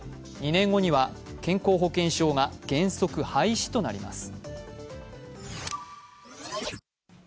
２年後には健康保険証が原則廃止となります。